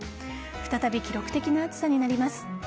再び記録的な暑さになります。